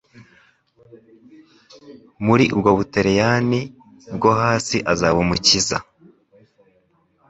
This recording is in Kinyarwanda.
Muri ubwo Butaliyani bwo hasi azaba umukiza